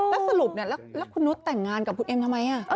แล้วสรุปเนี่ยแล้วคุณนุษย์แต่งงานกับคุณเอ็มทำไม